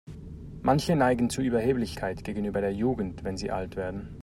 Manche neigen zu Überheblichkeit gegenüber der Jugend, wenn sie alt werden.